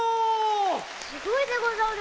・すごいでござる！